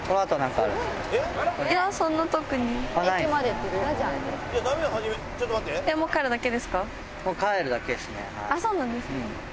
あっそうなんですね。